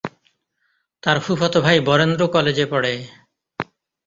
তার ফুফাতো ভাই বরেন্দ্র কলেজে পড়ে।